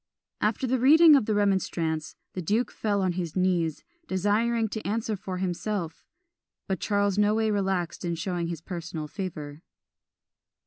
After the reading of the Remonstrance, the duke fell on his knees, desiring to answer for himself; but Charles no way relaxed in showing his personal favour.